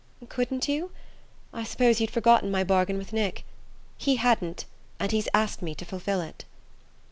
"Couldn't you? I suppose you'd forgotten my bargain with Nick. He hadn't and he's asked me to fulfil it."